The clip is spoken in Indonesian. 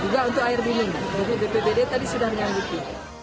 juga untuk air minum jadi bpbd tadi sudah menyangguti